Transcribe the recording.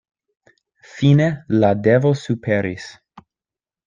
Fine la devo superis.